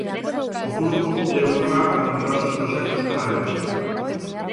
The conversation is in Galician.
O grupo deu lugar a numerosos proxectos paralelos.